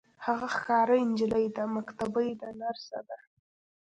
هغه ښاري نجلۍ ده مکتبۍ ده نرسه ده.